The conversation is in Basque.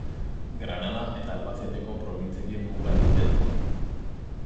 Granada eta Albaceteko probintziekin muga egiten du.